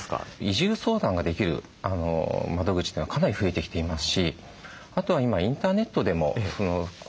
移住相談ができる窓口というのはかなり増えてきていますしあとは今インターネットでも個々の自治体とですね